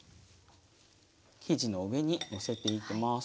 生地の上にのせていきます。